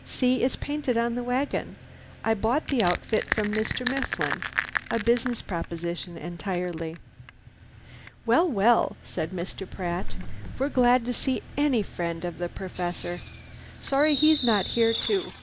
See, it's painted on the wagon. I bought the outfit from Mr. Mifflin. A business proposition entirely." "Well, well," said Mr. Pratt. "We're glad to see any friend of the Perfessor. Sorry he's not here, too.